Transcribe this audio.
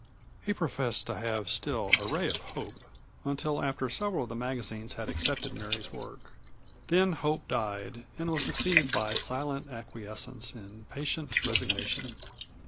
He professed to have still a ray of hope until after several of the magazines had accepted Mary's work. Then hope died and was succeeded by silent acquiescence and patient resignation.